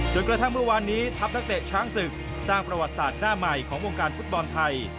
กระทั่งเมื่อวานนี้ทัพนักเตะช้างศึกสร้างประวัติศาสตร์หน้าใหม่ของวงการฟุตบอลไทย